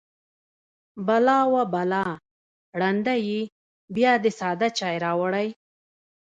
_بلا! وه بلا! ړنده يې! بيا دې ساده چای راوړی.